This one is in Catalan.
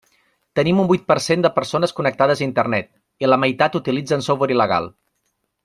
Tenim un vuit per cent de persones connectades a Internet, i la meitat utilitza software il·legal.